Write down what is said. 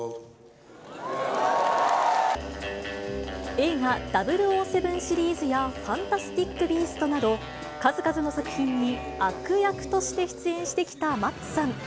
映画、００７シリーズや、ファンタスティック・ビーストなど、数々の作品に悪役として出演してきたマッツさん。